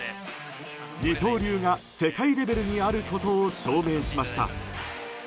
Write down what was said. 二刀流が世界レベルにあることを証明しました。